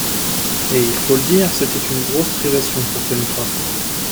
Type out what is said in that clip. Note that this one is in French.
Et, il faut le dire, c’était une grosse privation pour Pencroff